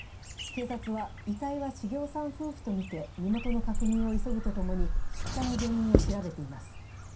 警察は遺体は重雄さん夫婦とみて、身元の確認を急ぐとともに出火の原因を調べています。